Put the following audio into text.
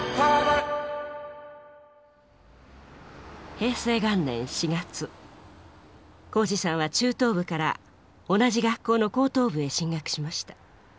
平成元年４月宏司さんは中等部から同じ学校の高等部へ進学しました。